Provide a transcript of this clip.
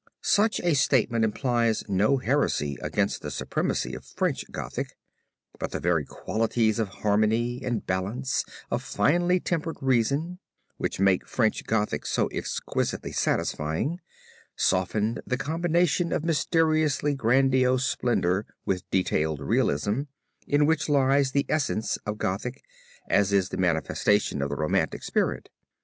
Such a statement implies no heresy against the supremacy of French Gothic. But the very qualities of harmony and balance of finely tempered reason, which make French Gothic so exquisitely satisfying, softened the combination of mysteriously grandiose splendor with detailed realism, in which lies the essence of Gothic as the manifestation of the romantic spirit.